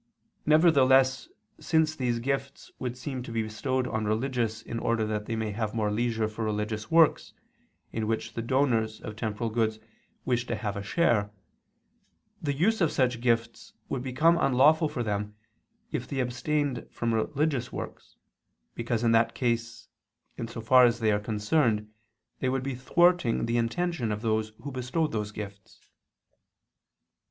Nevertheless since these gifts would seem to be bestowed on religious in order that they may have more leisure for religious works, in which the donors of temporal goods wish to have a share, the use of such gifts would become unlawful for them if they abstained from religious works, because in that case, so far as they are concerned, they would be thwarting the intention of those who bestowed those gifts.